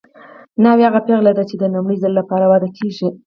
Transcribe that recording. ناوې هغه پېغله ده چې د لومړي ځل لپاره واده کیږي